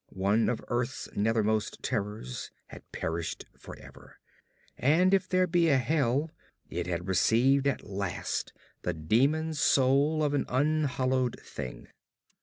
One of earth's nethermost terrors had perished for ever; and if there be a hell, it had received at last the demon soul of an unhallowed thing.